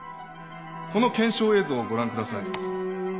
この検証映像をご覧ください。